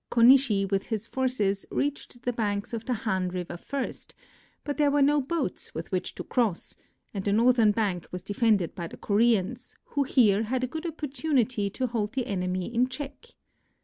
Konishi with his forces reached the banks of the Han River first, but there were no boats with which to cross, and the northern bank was defended by the Koreans, who here had a good opportunity to hold the enemy in check.